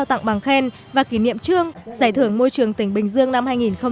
trao tặng bằng khen và kỷ niệm chương giải thưởng môi trường tỉnh bình dương năm hai nghìn một mươi bảy